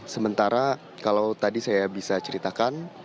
sementara kalau tadi saya bisa ceritakan